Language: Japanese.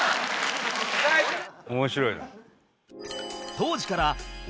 面白いな。